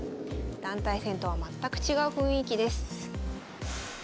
団体戦とは全く違う雰囲気です。